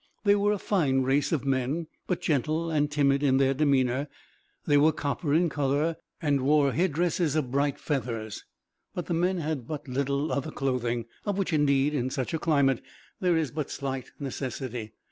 They were a fine race of men, but gentle and timid in their demeanor They were copper in color, and wore headdresses of bright feathers, but the men had but little other clothing; of which, indeed, in such a climate, there is but slight necessity.